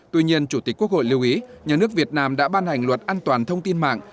tuy nhiên chủ tịch quốc hội lưu ý nhà nước việt nam đã ban hành luật an toàn thông tin mạng